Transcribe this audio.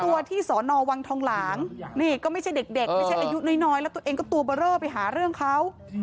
ตัวที่สอนอวังทองหลางนี่ก็ไม่ใช่เด็กไม่ใช่อายุน้อยแล้วตัวเองก็ตัวเบอร์เรอไปหาเรื่องเขา